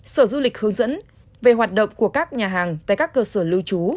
sở du lịch hướng dẫn về hoạt động của các nhà hàng tại các cơ sở lưu trú